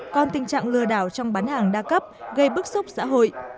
còn tình trạng lừa đảo trong bán hàng đa cấp gây bức xúc xã hội